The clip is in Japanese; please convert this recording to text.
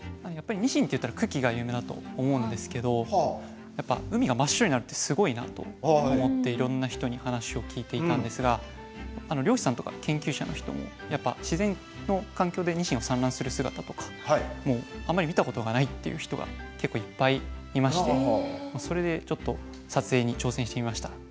やっぱりニシンっていったら群来が有名だと思うんですけどやっぱ海が真っ白になるってすごいなと思っていろんな人に話を聞いていたんですが漁師さんとか研究者の人もやっぱ自然の環境でニシンが産卵する姿とかあんまり見たことがないっていう人が結構いっぱいいましてそれでちょっと撮影に挑戦してみました。